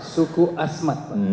suku asmat pak